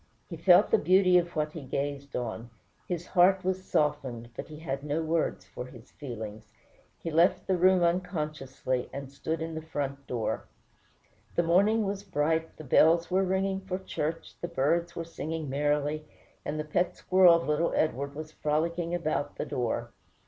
He felt the beauty of what he gazed on; his heart was softened, but he had no words for his feelings. He left the room unconsciously, and stood in the front door. The morning was bright, the bells were ringing for church, the birds were singing merrily, and the pet squirrel of little Edward was frolicking about the door.